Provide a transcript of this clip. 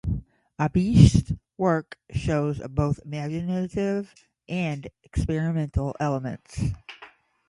Abish's work shows both imaginative and experimental elements.